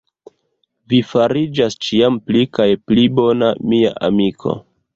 Vi fariĝas ĉiam pli kaj pli bona, mia amiko.